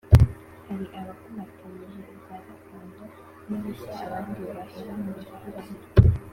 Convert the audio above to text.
hari abakomatanije ibya gakondo n'ibishya abandi bahera mu gihirahiro